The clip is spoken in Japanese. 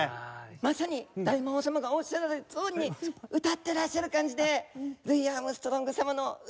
まさに大魔王様がおっしゃられたとおりに歌ってらっしゃる感じでルイ・アームストロング様の歌ギョえですね。